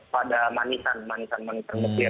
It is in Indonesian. pada manisan manisan manisan kecil